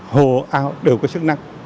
hồ áo đều có chức năng